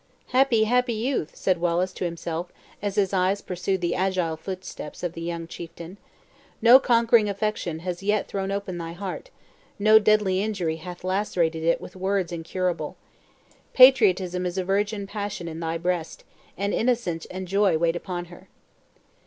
"Happy, happy youth!" said Wallace to himself, as his eyes pursued the agile footsteps of the young chieftain; "no conquering affection has yet thrown open thy heart; no deadly injury hath lacerated it with wounds incurable. Patriotism is a virgin passion in thy breast, and innocence and joy wait upon her!"